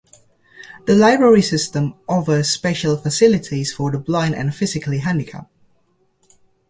The Library System offers special facilities for the blind and physically handicapped.